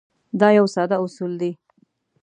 دا یو ساده اصول دی.